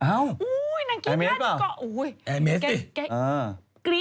อ้าวแอร์เมสเปล่าอาร์เมสคิดเลยว่านั่นก็อุ๊ยแอร์เมส